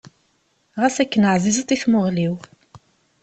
Ɣas akken εzizeḍ i tmuɣli-w.